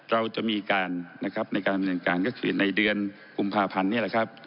เราจะมีการนะครับในการดำเนินการก็คือในเดือนกุมภาพันธ์นี่แหละครับ